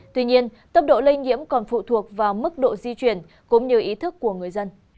tuy nhiên tốc độ lây nhiễm còn phụ thuộc vào mức độ di chuyển cũng như ý thức của người dân